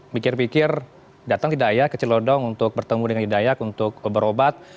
pikir pikir datang ke dayak ke celodong untuk bertemu dengan ida dayak untuk berobat